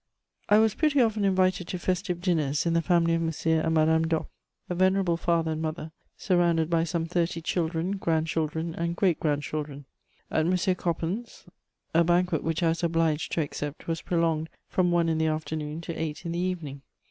I was pretty often invited to festive dinners in the family of M. and Madame d'Ops, a venerable father and mother surrounded by some thirty children, grandchildren and great grandchildren. At M. Coppens', a banquet which I was obliged to accept was prolonged from one in the afternoon to eight in the evening.